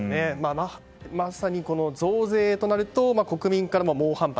まさにこの増税となると国民からの猛反発